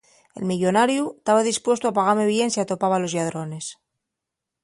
El millonariu taba dispuestu a pagame bien si atopaba a los lladrones.